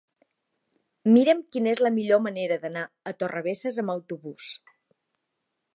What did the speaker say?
Mira'm quina és la millor manera d'anar a Torrebesses amb autobús.